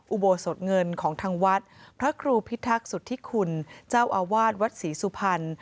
อุโบสถเงินของทางวัดพระครูพิทักษุธิคุณเจ้าอาวาสวัดศรีสุพรรณ